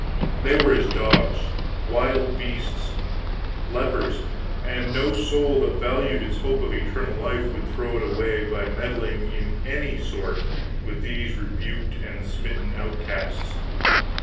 They were as dogs, wild beasts, lepers, and no soul that valued its hope of eternal life would throw it away by meddling in any sort with these rebuked and smitten outcasts.